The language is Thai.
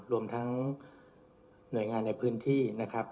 รวมทั้งหน่วยงานในพื้นที่นะครับ